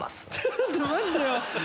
ちょっと待ってよ！